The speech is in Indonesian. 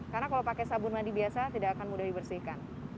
karena kalau pakai sabun mandi biasa tidak akan mudah dibersihkan